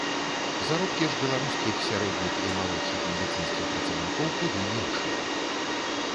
Заробкі ж беларускіх сярэдніх і малодшых медыцынскіх працаўнікоў куды меншыя.